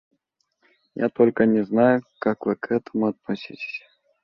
Я только не знаю, как Вы к этому отнесетесь.